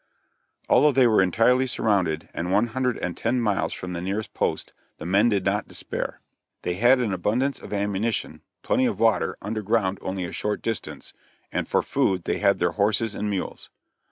Although they were entirely surrounded, and one hundred and ten miles from the nearest post, the men did not despair. They had an abundance of ammunition, plenty of water, under ground only a short distance, and for food they had their horses and mules.